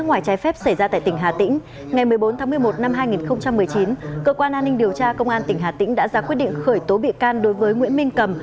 ngày một mươi bốn tháng một mươi một năm hai nghìn một mươi chín cơ quan an ninh điều tra công an tỉnh hà tĩnh đã ra quyết định khởi tố bị can đối với nguyễn minh cầm